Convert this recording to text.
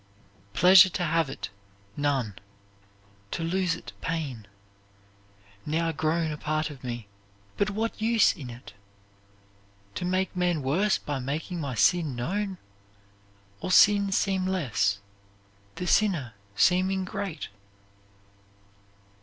Pleasure to have it, none; to lose it pain; Now grown a part of me: but what use in it? To make men worse by making my sin known? Or sin seem less, the sinner seeming great?"